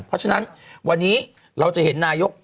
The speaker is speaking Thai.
เพราะฉะนั้นวันนี้เราจะเห็นนายก